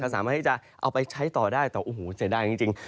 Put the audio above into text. สามารถที่จะเอาไปใช้ต่อได้แต่โอ้โหเสียดายจริง